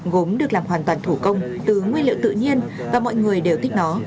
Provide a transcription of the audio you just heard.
gốm được làm hoàn toàn thủ công từ nguyên liệu tự nhiên và mọi người đều thích nó